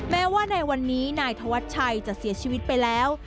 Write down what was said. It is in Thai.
แม้ว่าในวันนี้นายธวัชชัยจะเสียชีวิตไปแล้ว